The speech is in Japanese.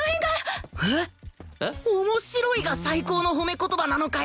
「面白い」が最高の褒め言葉なのかよ！